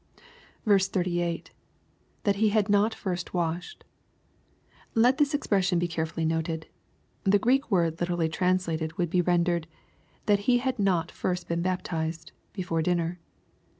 58. — [TTiat he had not fixst washed^ Let this expression be care fully noted. The Greek word literally translated would be rendered, "that he had not first been baptized" before dinner.